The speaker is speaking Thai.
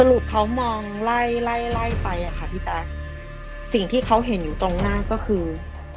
รุปเขามองไล่ไล่ไล่ไปอ่ะค่ะพี่แจ๊คสิ่งที่เขาเห็นอยู่ตรงหน้าก็คือ